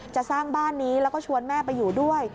สร้างบ้านนี้แล้วก็ชวนแม่ไปอยู่ด้วย